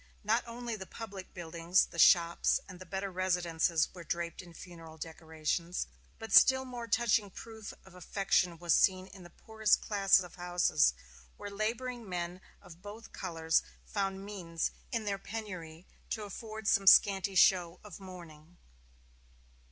Not only the public buildings, the shops, and the better residences were draped in funeral decorations, but still more touching proof of affection was seen in the poorest class of houses, where laboring men of both colors found means in their penury to afford some scanty show of mourning.